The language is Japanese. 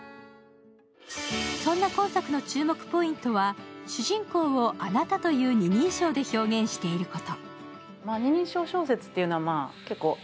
そんな今作の注目ポイントは主人公を「あなた」という２人称で表現していること。